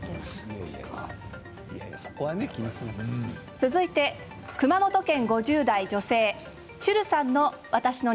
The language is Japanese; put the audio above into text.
続いて熊本県５０代女性。